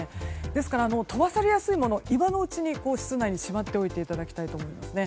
ですから、飛ばされやすいものは今のうちに室内にしまっていただきたいと思います。